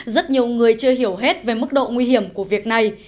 rất nhiều người chưa hiểu hết về mức độ nguy hiểm của việc này